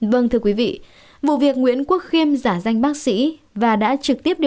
vâng thưa quý vị vụ việc nguyễn quốc khiêm giả danh bác sĩ và đã trực tiếp điều